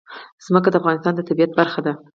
ځمکه د افغانستان د طبیعت برخه ده.